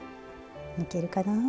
抜けるかな。